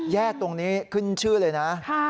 แยกตรงนี้ขึ้นชื่อเลยนะ